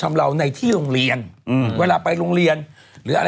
อะไรมาอยู่